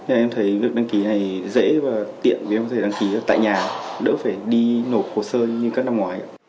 nên em thấy việc đăng ký này dễ và tiện vì em có thể đăng ký tại nhà đỡ phải đi nộp hồ sơ như các năm ngoái